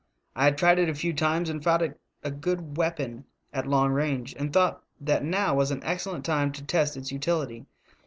I had tried it a few times and found it a good weapon at long range, and thought that now was an excellent time to ^ test its utility.